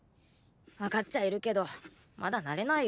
分かっちゃいるけどまだ慣れないよ